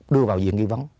đưa vào diện nghi vấn